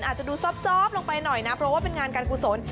อาจจะดูซอบลงไปหน่อยนะเพราะว่าเป็นงานการกุศล